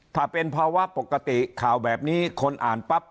ถ้าเป็นภาวะปกติข่าวแบบนี้คนอ่านปั๊บ